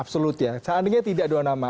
saat ini tidak dua nama